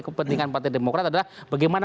kepentingan partai demokrat adalah bagaimana